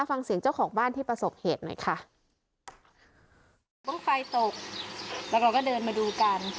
ฟังเสียงเจ้าของบ้านที่ประสบเหตุหน่อยค่ะบ้างไฟตกแล้วเราก็เดินมาดูกัน